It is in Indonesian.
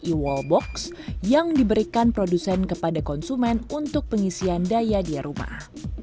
atau juga bisa menggunakan adapter seperti iwap atau wallbox yang diberikan produsen kepada konsumen untuk pengisian daya di rumah